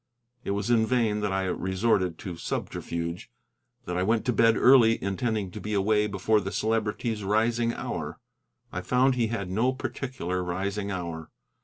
It was in vain that I resorted to subterfuge: that I went to bed early intending to be away before the Celebrity's rising hour. I found he had no particular rising hour.